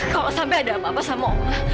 kalau sampai ada apa apa dengan oma